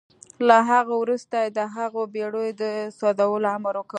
له هغه وروسته يې د هغو بېړيو د سوځولو امر وکړ.